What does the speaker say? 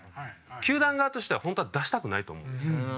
球団側としてはホントは出したくないと思うんですよ。